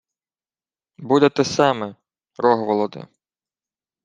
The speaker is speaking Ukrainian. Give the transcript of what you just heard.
— Буде те саме, Рогволоде.